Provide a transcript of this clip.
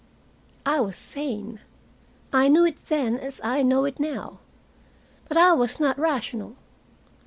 I was sane. I knew it then as I know it now. But I was not rational.